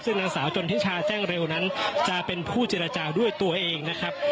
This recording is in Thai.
ซึ่งนางสาวจนทิชาแจ้งเร็วนั้นจะเป็นผู้เจรจาด้วยตัวเองนะครับ